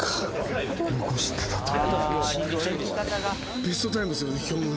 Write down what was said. ・ベストタイムですよね